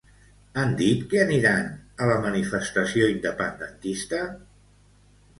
Han dit que aniran a la manifestació independentista?